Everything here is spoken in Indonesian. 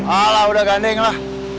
alah udah ganding lah